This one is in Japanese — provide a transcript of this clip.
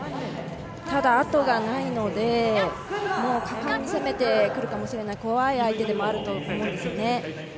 ただ、あとがないので果敢に攻めてくるかもしれない怖い相手でもあると思うんですよね。